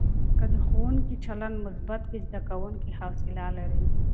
که د ښوونکي چلند مثبت وي، زده کوونکي حوصله لري.